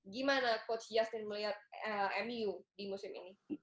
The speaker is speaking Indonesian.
gimana coach justin melihat mu di musim ini